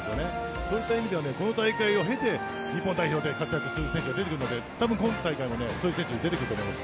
そういった意味ではこの大会を経て日本代表で活躍する選手が出てくるので多分、今大会もそういう選手出てくると思います。